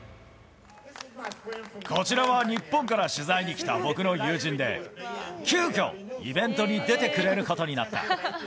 こちらは日本から取材に来た僕の友人で、急きょ、イベントに出てくれることになった。